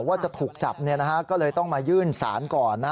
ว่าจะถูกจับก็เลยต้องมายื่นศาลก่อน